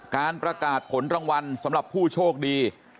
การประกาศผลรางวัลสำหรับผู้โชคดี